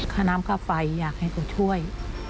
ค่าน้ำค่าไฟอยากให้เขาช่วย